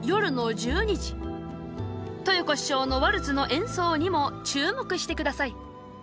豊子師匠のワルツの演奏にも注目してください。